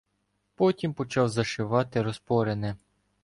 Потім почав зашивати розпорене.